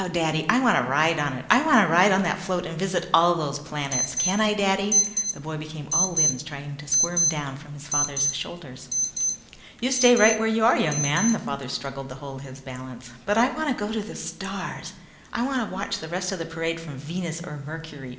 Daddy, I wanna ride on it! I wanna ride on that float and visit all those planets! Can I, Daddy!" The boy became all limbs trying to squirm down from his father's shoulders. "You stay right where you are, young man," the father struggled to hold his balance. "But I wanna go to the stars. I can watch the rest of the parade from Venus or Mercury!